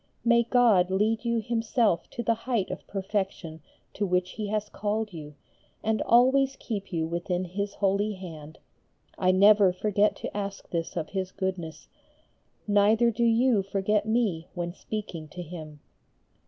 May God lead you Himself to the height of perfection to which He has called you, and always keep you within His holy hand. I never forget to ask this of His Goodness. Neither do you forget me when speaking to Him.